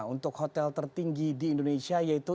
untuk hotel tertinggi di indonesia yaitu